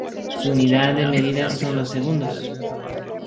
Su unidad de medida son los segundos.